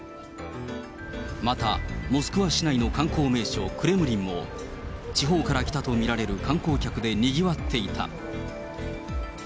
またモスクワ市内の観光名所、クレムリンも、地方から来たと見られる観光客でにぎわっていた。